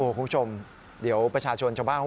โอ้คุณผู้ชมเดี๋ยวประชาชนจะบ้าง